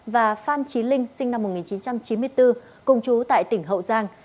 và phan trí linh sinh năm một nghìn chín trăm chín mươi bốn cùng chú tại tỉnh hậu giang